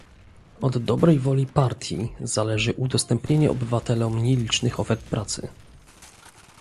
Od dobrej woli partii zależy udostępnienie obywatelom nielicznych ofert pracy